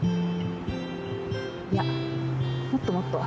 いやもっともっと。